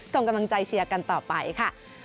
ส่งกำลังใจเชียร์กันต่อไปค่ะ